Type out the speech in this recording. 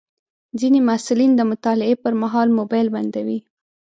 ځینې محصلین د مطالعې پر مهال موبایل بندوي.